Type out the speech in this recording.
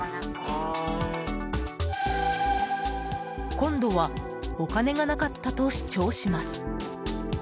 今度は、お金がなかったと主張します。